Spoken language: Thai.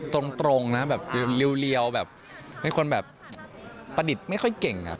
ตรงนะแบบเรียวแบบเป็นคนแบบประดิษฐ์ไม่ค่อยเก่งอะ